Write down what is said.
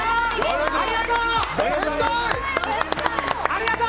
ありがとう！